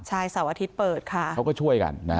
ใช่เสาร์อาทิตย์เปิดค่ะเขาก็ช่วยกันนะฮะ